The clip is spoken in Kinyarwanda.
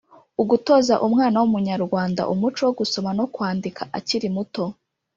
ugutoza umwana w’umunyarwanda umuco wo gusoma no kwandika akiri muto